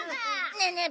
ねえねえ